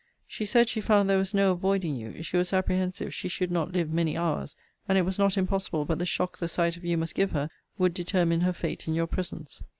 She said she found there was no avoiding you: she was apprehensive she should not live many hours, and it was not impossible but the shock the sight of you must give her would determine her fate in your presence.